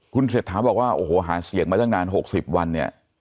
คุณเศรษฐาบอกว่าโอ้โหหาเสียงมาตั้งนาน๖๐วันเนี่ย